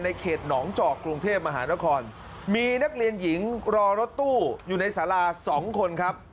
เขตหนองจอกกรุงเทพมหานครมีนักเรียนหญิงรอรถตู้อยู่ในสารา๒คนครับ